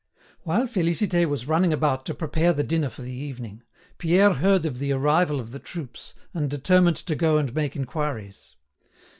While Félicité was running about to prepare the dinner for the evening, Pierre heard of the arrival of the troops and determined to go and make inquiries.